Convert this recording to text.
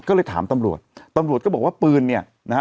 ก็เลยถามตำรวจตำรวจก็บอกว่าปืนเนี่ยนะฮะ